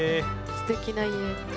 すてきな家。